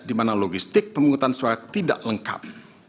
di mana logistik penghutang suara tidak lengkap